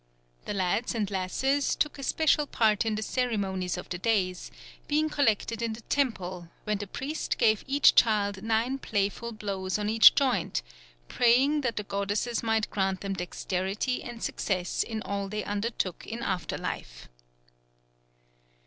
The lads and lasses took a special part in the ceremonies of the day, being collected in the temple, when the priest gave each child nine playful blows on each joint, praying that the goddesses might grant them dexterity and success in all they undertook in after life.